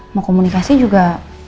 mau komunikasi juga